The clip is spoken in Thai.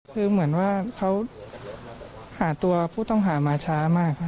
คือเหมือนว่าเขาหาตัวผู้ต้องหามาช้ามากค่ะ